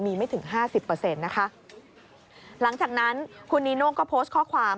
มีไม่ถึงห้าสิบเปอร์เซ็นต์นะคะหลังจากนั้นคุณนีโน่ก็โพสต์ข้อความ